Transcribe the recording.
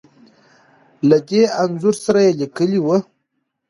له دې انځور سره يې ليکلې وو .